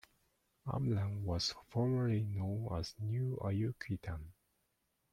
Amlan was formerly known as New Ayuquitan.